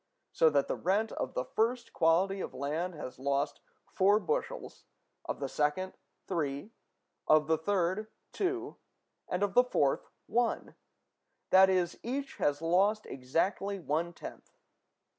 So that the rent of the first quality of land has lost four bushels; of the second, three; of the third, two; and of the fourth, one: that is, each has lost exactly one tenth.